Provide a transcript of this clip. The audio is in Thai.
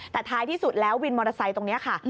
แต่ท้ายที่สุดแล้ววินมอเตอร์ไซค์ตรงนี้ค่ะ